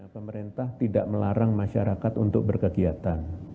pemerintah tidak melarang masyarakat untuk berkegiatan